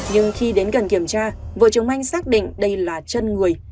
nhưng khi đến gần kiểm tra vợ trần mạnh xác định đây là chân người